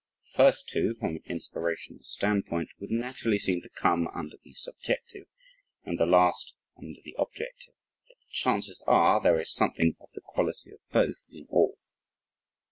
The first two, from an inspirational standpoint would naturally seem to come under the subjective and the last under the objective, yet the chances are, there is something of the quality of both in all.